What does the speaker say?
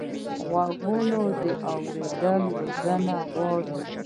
غوږونه د اورېدنې روزنه غواړي